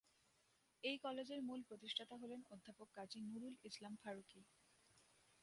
এই কলেজের মূল প্রতিষ্ঠাতা হলেন অধ্যাপক কাজী নুরুল ইসলাম ফারুকী।